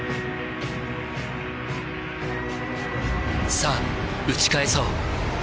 さぁ打ち返そう。